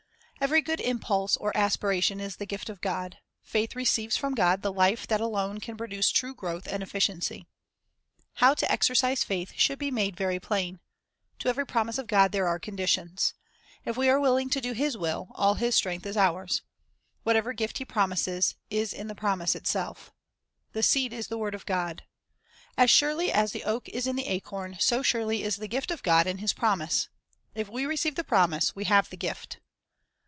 Every good impulse or aspiration is the gift of God ; faith receives from God the life that alone can produce true growth and efficiency. How to exercise faith should be made very plain. To every promise of God there are conditions. If we Hon ' to Exercise are willing to do His will, all His strength is ours. Faith Whatever gift He promises, is in the promise itself. "The seed is the word of God." 1 As surely as the oak is in the acorn, so surely is the gift of God in His promise. If we receive the promise, we have the gift.